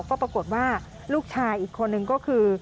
ก็ปรากฏว่าลูกชายอีกคนนึงก็คือ